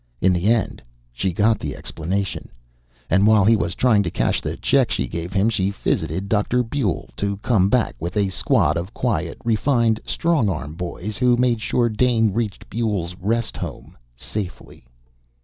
In the end, she got the explanation. And while he was trying to cash the check she gave him, she visited Dr. Buehl, to come back with a squad of quiet, refined strong arm boys who made sure Dane reached Buehl's "rest home" safely.